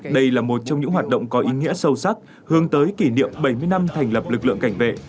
đây là một trong những hoạt động có ý nghĩa sâu sắc hướng tới kỷ niệm bảy mươi năm thành lập lực lượng cảnh vệ